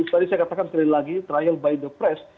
tadi saya katakan sekali lagi trial by the press